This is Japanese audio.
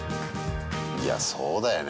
いやそうだよね